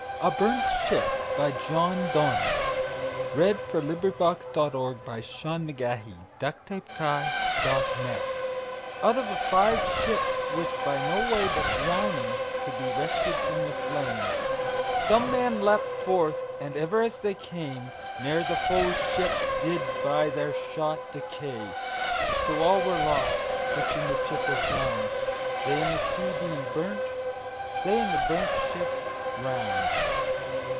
A Burnt Ship by John Donnesister projects: Wikidata item. 202919A Burnt ShipJohn Donne Out of a fired ship, which, by no way But drowning, could be rescued from the flame, Some men leap'd forth, and ever as they came Neere the foes ships, did by their shot decay; So all were lost, which in the ship were found, They in the sea being burnt, they in the burnt ship drown'd.